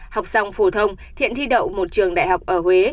học xong phổ thông thiện thi đậu một trường đại học ở huế